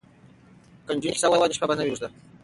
که نجونې کیسه ووايي نو شپه به نه وي اوږده.